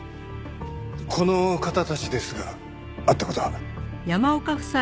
この方たちですが会った事は？